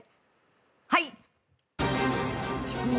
はい！